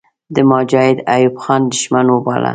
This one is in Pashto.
د مجاهد ایوب خان دښمن وباله.